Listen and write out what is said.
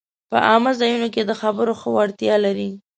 په عامه ځایونو کې د خبرو ښه وړتیا لري